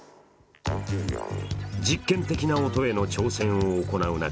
実験的な音への挑戦を行う中